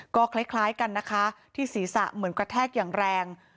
ก็คล้ายกันนะคะที่ศีรษะเหมือนกระแทกอย่างแรง